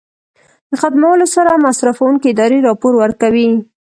د ختمولو سره مصرفوونکې ادارې راپور ورکوي.